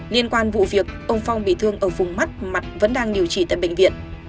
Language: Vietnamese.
liên quan vụ việc ông phong bị thương ở vùng mắt mặt vẫn đang điều trị tại bệnh viện